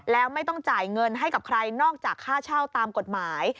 แล้วไม่ต้องจ่ายเงินให้กับใครนอกจากค่าเช่าตามกฎหมาย